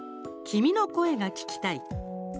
「君の声が聴きたい」。